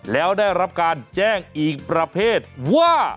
แล้วได้รับการแจ้งอีกประเภทว่า